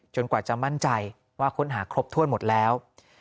กว่าจะมั่นใจว่าค้นหาครบถ้วนหมดแล้ว